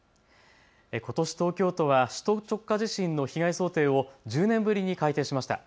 ことし東京都は首都直下地震の被害想定を１０年ぶりに改定しました。